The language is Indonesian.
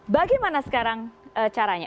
bagaimana sekarang caranya